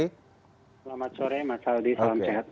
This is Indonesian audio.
selamat sore mas aldi salam sehat